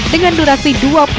dengan durasi dua puluh